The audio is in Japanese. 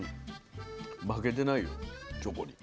負けてないよチョコに。